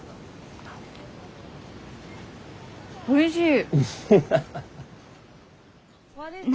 おいしい！